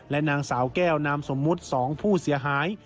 นางสาวแก้วนามสมมุติ๒ผู้เสียหาย